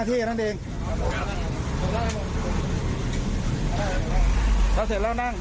ที่นั่งเอง